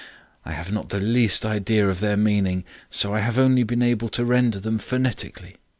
I have not the least idea of their meaning; so I have only been able to render them phonetically.